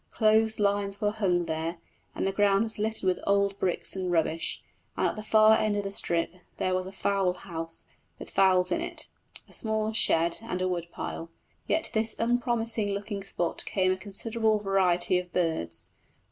Clothes lines were hung there, and the ground was littered with old bricks and rubbish, and at the far end of the strip there was a fowl house with fowls in it, a small shed, and a wood pile. Yet to this unpromising looking spot came a considerable variety of birds.